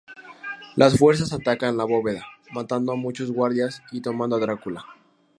Las fuerzas atacan La Bóveda, matando a muchos guardias y tomando a Drácula.